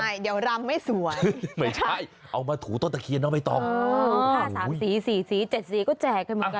ย่อกามรำให้สวยเอามาถูต้นขีบน็อไม่ต้องเออสามสีสี่สีเจ็ดสีก็แจกเหมือนกันเนอะ